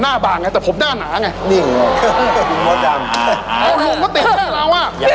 หน้าบางไงแต่ผมหน้าหนาไงนี่เหรอคุณมดดำเอาลูกก็ติดให้เราอ่ะ